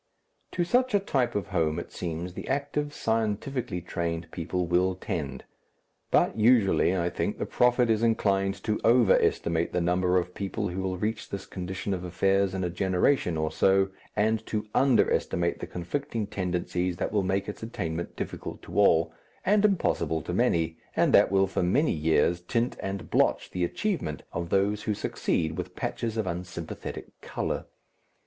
To such a type of home it seems the active, scientifically trained people will tend. But usually, I think, the prophet is inclined to over estimate the number of people who will reach this condition of affairs in a generation or so, and to under estimate the conflicting tendencies that will make its attainment difficult to all, and impossible to many, and that will for many years tint and blotch the achievement of those who succeed with patches of unsympathetic colour.